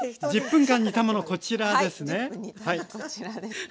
１０分煮たものこちらです。